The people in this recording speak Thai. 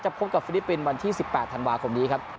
พบกับฟิลิปปินส์วันที่๑๘ธันวาคมนี้ครับ